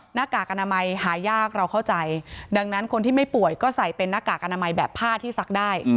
หน้ากากอนามัยหายากเราเข้าใจดังนั้นคนที่ไม่ป่วยก็ใส่เป็นหน้ากากอนามัยแบบผ้าที่ซักได้